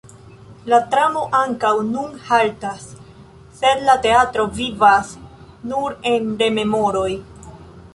La tramo ankaŭ nun haltas, sed la teatro vivas nur en rememoroj.